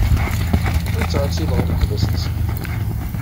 Ur ttɛettibeɣ imeḥbas-nsent.